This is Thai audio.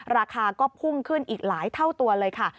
ราคาก็พุ่งขึ้นอีกหลายเท่าตัวเลยค่ะ